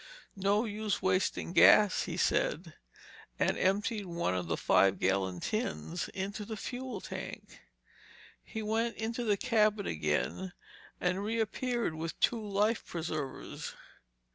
"No use wasting gas," he said, and emptied one of the five gallon tins into the fuel tank. He went into the cabin again and reappeared with two life preservers.